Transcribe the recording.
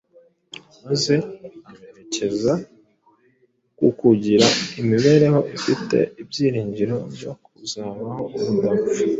maze aberekeza ku kugira imibereho ifite ibyiringiro byo kuzabaho ubudapfa